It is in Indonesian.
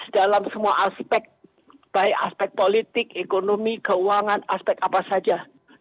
dalam semua aspek baik aspek politik ekonomi keuangan aspek apa saja